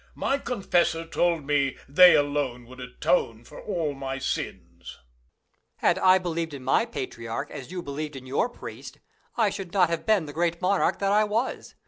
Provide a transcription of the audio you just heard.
My confessor told me they alone would atone for all my sins. Peter. Had I believed in my patriarch as you believed in your priest, I should not have been the great monarch that I was.